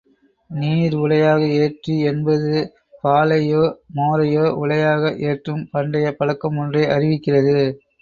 நீர் உலையாக ஏற்றி என்பது, பாலையோ மோரையோ உலையாக ஏற்றும் பண்டைய பழக்கம் ஒன்றை அறிவிக்கிறது.